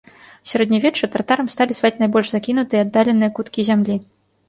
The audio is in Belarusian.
У сярэднявечча тартарам сталі зваць найбольш закінутыя і аддаленыя куткі зямлі.